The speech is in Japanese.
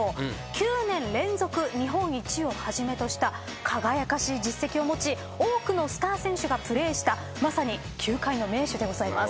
９年連続日本一をはじめとした輝かしい実績を持ち多くのスター選手がプレーしたまさに球界の盟主でございます。